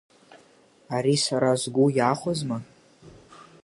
Ари сара сгәы иахәозма?